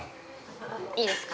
いいですか？